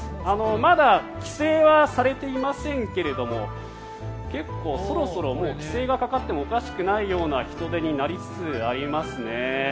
まだ規制はされていませんがそろそろもう規制がかかってもおかしくないような人出になりつつありますね。